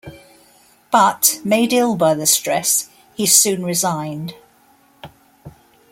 But, made ill by the stress, he soon resigned.